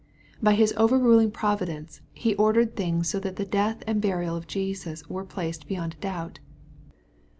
By His over ruling providence, He ordered things so that the death and burial of Jesus were placed beyond a doubt.